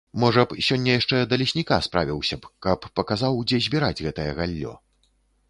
Можа б сёння яшчэ да лесніка справіўся б, каб паказаў, дзе збіраць гэтае галлё.